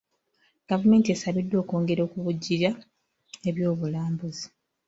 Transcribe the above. Gavumenti esabiddwa okwongera okuvujjirira eby'obulambuzi.